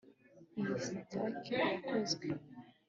iyi staki irakozwe